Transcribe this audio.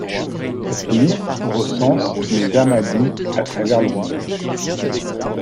Cette liste recense les ahmadis à travers le monde.